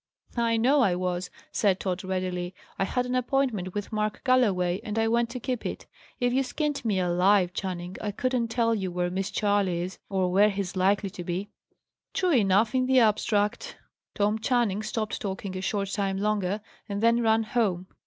"I know I was," said Tod readily. "I had an appointment with Mark Galloway, and I went to keep it. If you skinned me alive, Channing, I couldn't tell you where Miss Charley is, or where he's likely to be." True enough in the abstract. Tom Channing stopped talking a short time longer, and then ran home.